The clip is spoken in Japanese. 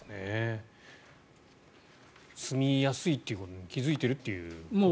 すみやすいということに気付いているということですかね。